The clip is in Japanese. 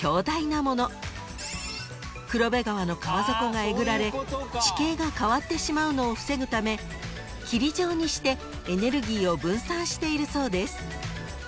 ［黒部川の川底がえぐられ地形が変わってしまうのを防ぐため霧状にしてエネルギーを分散しているそうです］